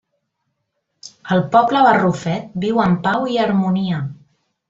El Poble Barrufet viu en pau i harmonia.